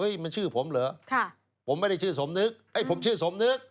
มันชื่อผมเหรอผมไม่ได้ชื่อสมนึกผมชื่อสมนึก